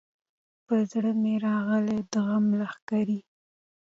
پر زړه مي راغلې د غم لښکري